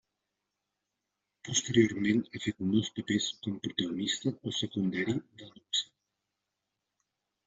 Posteriorment ha fet molts papers com protagonista o secundari de luxe.